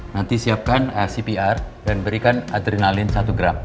nanti siapkan cpr dan berikan adrenalin satu gram